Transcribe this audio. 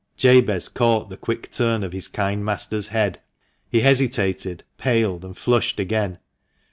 Jabez caught the quick turn of his kind master's head. He hesitated, paled, and flushed again.